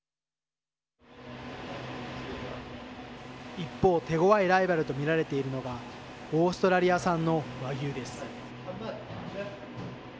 一方、手ごわいライバルと見られているのがオーストラリア産のＷＡＧＹＵです。